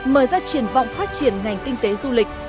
mở ra triển vọng phát triển ngành kinh tế du lịch